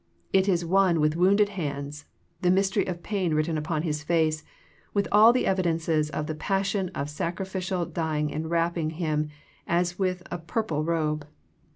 It is One with wounded hands, the mystery of pain written upon His face, with all the evidences of the passion of sacrificial dying enwrapping Him as with a pur ple robe.